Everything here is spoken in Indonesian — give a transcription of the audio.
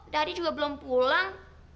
daddy juga belum pulang